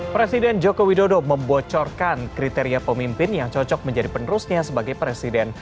presiden joko widodo membocorkan kriteria pemimpin yang cocok menjadi penerusnya sebagai presiden